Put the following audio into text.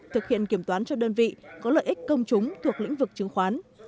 thực hiện kiểm toán cho đơn vị có lợi ích công chúng thuộc lĩnh vực chứng khoán